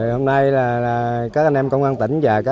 hôm nay là các anh em công an tỉnh và các anh em bà